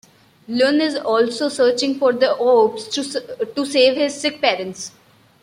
Luin is also searching for the Orbs to save his sick parents.